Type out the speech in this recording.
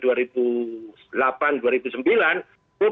bebas strategi ya